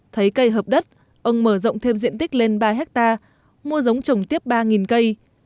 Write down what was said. thấy cây hợp đất ông mở rộng thêm diện tích lên ba hectare mua giống trồng tiếp ba cây